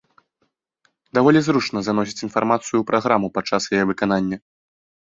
Даволі зручна заносіць інфармацыю ў праграму падчас яе выканання.